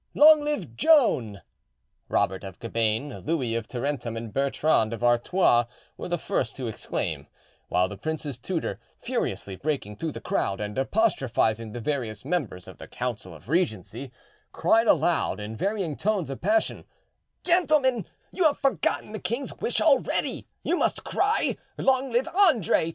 "Long live Joan!" Robert of Cabane, Louis of Tarentum, and Bertrand of Artois were the first to exclaim, while the prince's tutor, furiously breaking through the crowd and apostrophising the various members of the council of regency, cried aloud in varying tones of passion, "Gentlemen, you have forgotten the king's wish already; you must cry, 'Long live Andre!